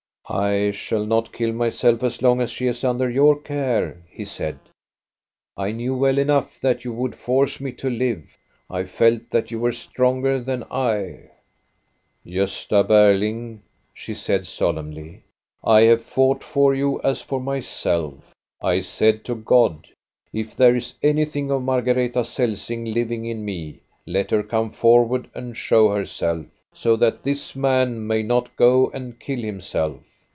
" I shall not kill myself as long as she is under your care," he said. I knew well enough that you would force me to live. I felt that you were stronger than I." " Gosta Berling," she said solemnly, " I have fought for you as for myself. I said to God: *If there is anything of Margareta Celsing living in me, let her come forward and show herself, so that this man may not go and kill himself.'